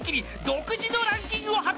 独自のランキングを発表］